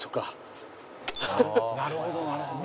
なるほどなるほど。